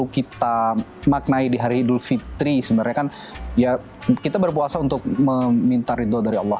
kita maknai di hari idul fitri sebenarnya kan ya kita berpuasa untuk meminta ridho dari allah